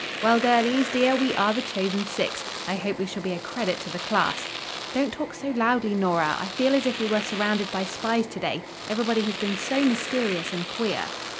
"Well, girlies, dear, we are the chosen six. I hope we shall be a credit to the class." "Don't talk so loudly, Nora. I feel as if we were surrounded by spies to day. Everybody has been so mysterious and queer."